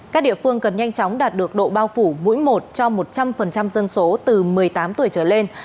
các địa phương cần nhanh chóng đạt được độ bao phủ mũi một cho một trăm linh dân số từ một mươi tám tuổi trở lên